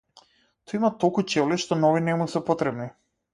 Тој има толку чевли што нови не му се потребни.